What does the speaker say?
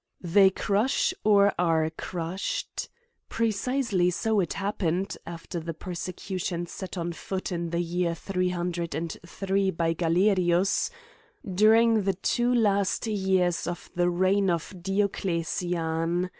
They crush or are crushed. Precisely so it happened (after the per secution set on foot in the. year 303 by Galerius) during, the two last years of the reign of Diocle sian.